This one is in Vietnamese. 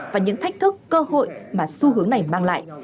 và những thách thức cơ hội mà xu hướng này mang lại